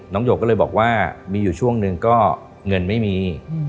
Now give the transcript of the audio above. หยกก็เลยบอกว่ามีอยู่ช่วงหนึ่งก็เงินไม่มี